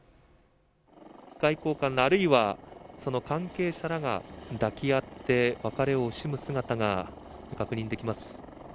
外交官らあるいはその関係者らが抱き合って別れを惜しむ姿が確認できます。